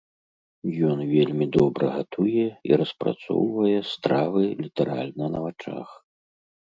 Ён вельмі добра гатуе і распрацоўвае стравы літаральна на вачах.